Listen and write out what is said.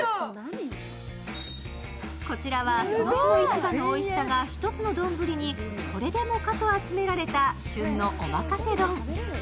こちらはその日の市場のおいしさが一つの丼にこれでもかと集められた旬のおまかせ丼。